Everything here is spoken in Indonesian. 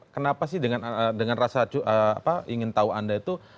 kenapa sih dengan rasa ingin tahu anda itu